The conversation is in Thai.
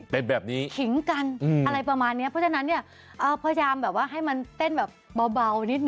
เป็นแบบนี้ขิงกันอะไรประมาณนี้เพราะฉะนั้นเนี่ยพยายามแบบว่าให้มันเต้นแบบเบานิดน